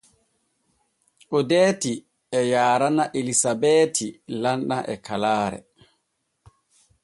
Odeeti e yaarana Elisabeeti lamɗam e kalaare.